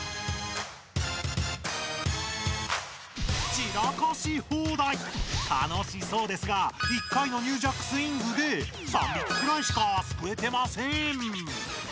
ちらかしほうだいたのしそうですが１回のニュージャックスイングで３びきくらいしかすくえてません！